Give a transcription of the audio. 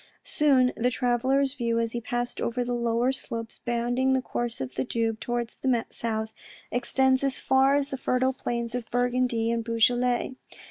Soon the traveller's view, as he passed over the lower slopes bounding the course of the Doubs towards the south, extends as far as A JOURNEY 75 the fertile plains of Burgundy and Beaujolais.